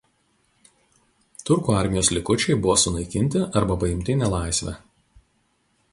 Turkų armijos likučiai buvo sunaikinti arba paimti į nelaisvę.